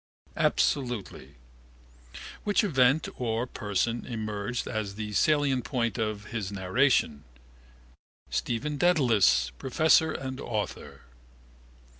Absolutely. Which event or person emerged as the salient point of his narration? Stephen Dedalus, professor and author.